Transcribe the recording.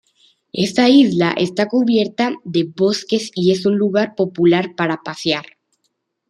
Esta isla está cubierta de bosques y es un lugar popular para pasear.